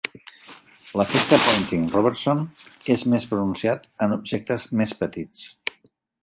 L'efecte Poynting-Robertson és més pronunciat en objectes més petits.